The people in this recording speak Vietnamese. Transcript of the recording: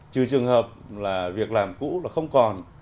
trừ trường hợp việc làm cũ không còn